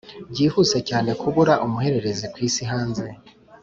byihuse cyane kubura umuhererezi kwisi hanze.